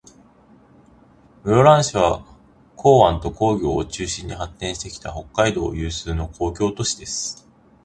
室蘭市は、港湾と工業を中心に発展してきた、北海道有数の工業都市です。